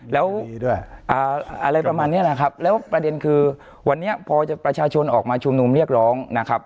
แล้วอะไรประมาณนี้แหละครับแล้วประเด็นคือวันนี้พอประชาชนออกมาชุมนุมเรียกร้องนะครับ